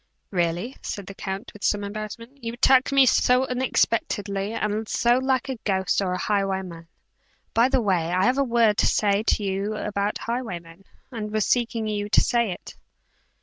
"Really," said the count, with some embarrassment, "you attack me so unexpectedly, and so like a ghost or a highwayman by the way I have a word to say to you about highwaymen, and was seeking you to say it."